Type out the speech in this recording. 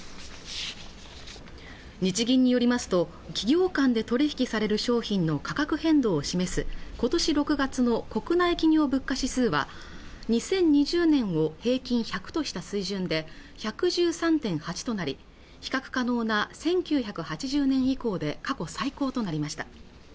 日銀によりますと企業間で取引される商品の価格変動を示すことし６月の国内企業物価指数は２０２０年を平均１００とした水準で１１３．８となり比較可能な１９８０年以降で過去最高となりました